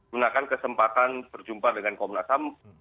gunakan kesempatan berjumpa dengan komnas ham